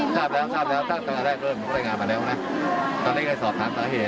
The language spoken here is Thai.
ในใจเขานะฝนาเขามีมาอยู่ฟรรดิดีกับใคร